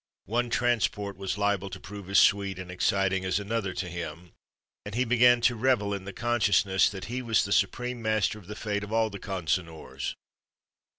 One transport was liable to prove as sweet and exciting as another to him, and he began to revel in the consciousness that he was the supreme master of the fate of all the Consinors.